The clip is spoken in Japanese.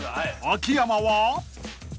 ［秋山は？］